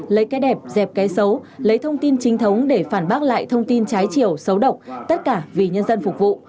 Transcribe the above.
lấy cái đẹp dẹp cái xấu lấy thông tin chính thống để phản bác lại thông tin trái chiều xấu độc tất cả vì nhân dân phục vụ